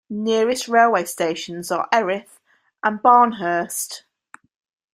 Nearest Railway stations are Erith and Barnehurst.